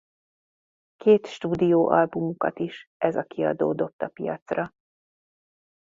Két stúdióalbumukat is ez a kiadó dobta piacra.